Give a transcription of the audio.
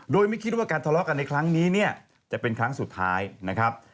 โดยไม่คิดว่าการทะเลาะกันในครั้งนี้เนี่ยจะเป็นครั้งสุดท้ายนะครับ